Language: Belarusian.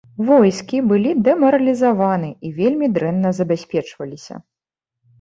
Войскі былі дэмаралізаваны і вельмі дрэнна забяспечваліся.